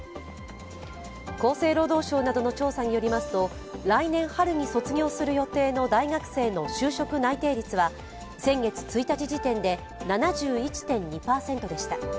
厚生労働省などの調査によりますと、来年春に卒業する予定の大学生の就職内定率は先月１日時点で７１．２％でした。